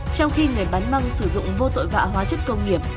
trong khi người bán măng sử dụng vô tội vạ hóa chất công nghiệp